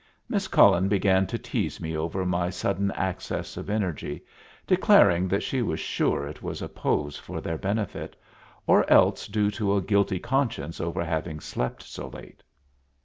Miss Cullen began to tease me over my sudden access of energy, declaring that she was sure it was a pose for their benefit, or else due to a guilty conscience over having slept so late.